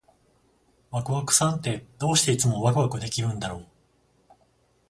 ワクワクさんって、どうしていつもワクワクできるんだろう？